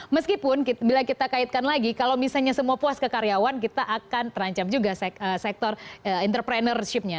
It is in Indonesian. meskipun bila kita kaitkan lagi kalau misalnya semua puas ke karyawan kita akan terancam juga sektor entrepreneurship nya